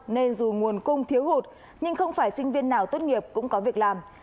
nên dù nguồn cung thiếu hụt nhưng không phải sinh viên nào tốt nghiệp cũng có việc làm